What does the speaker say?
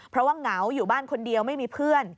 เพราะว่าเหงาอยู่บ้านคนเดียวไม่มีเพื่อน